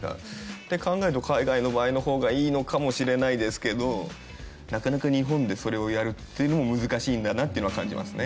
って考えると海外の場合の方がいいのかもしれないですけどなかなか日本でそれをやるっていうのも難しいんだなっていうのは感じますね。